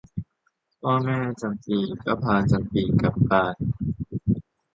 พ่อแม่จำปีก็พาจำปีกลับบ้าน